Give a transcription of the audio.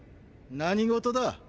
何事だ。